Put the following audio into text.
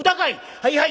はいはい。